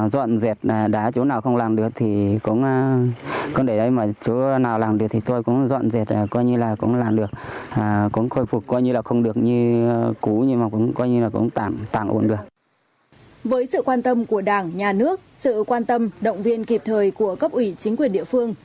với sự quan tâm của đảng nhà nước sự quan tâm động viên kịp thời của cấp ủy chính quyền địa phương